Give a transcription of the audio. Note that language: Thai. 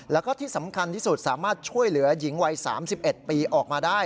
แล้วก็ที่สำคัญที่สุดสามารถช่วยเหลือหญิงวัย๓๑ปีออกมาได้